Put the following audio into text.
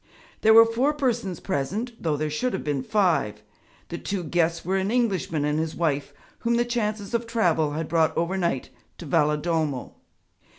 There were four persons present, though there should have been five. The two guests were an Englishman and his wife, whom the chances of travel had brought over night to Valedolmo.